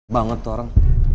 banget tuh orang